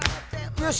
よし！